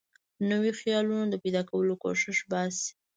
نویو خیالونو د پیدا کولو کوښښ باسي.